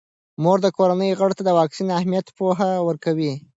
مور د کورنۍ غړو ته د واکسین اهمیت پوهه ورکوي.